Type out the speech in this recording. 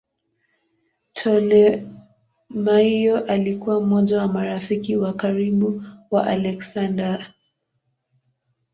Ptolemaio alikuwa mmoja wa marafiki wa karibu wa Aleksander.